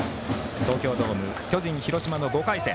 東京ドーム巨人、広島の５回戦。